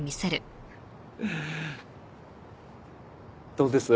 どうです？